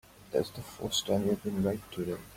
That's the first time you've been right today.